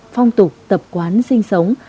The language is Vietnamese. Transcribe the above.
phong tục tập quán sinh sống